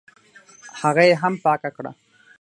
هغه یې هم پاکه کړه.